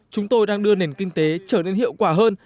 chúng tôi đang đưa nền kinh tế trở nên hiệu quả hơn